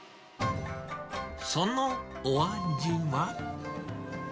そのお味は。